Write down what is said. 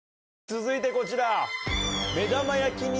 続いてこちら。